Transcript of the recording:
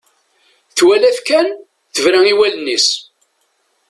Twala-t kan, tebra i wallen-is.